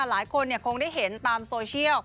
หลายคนคงได้เห็นตามโซเชียล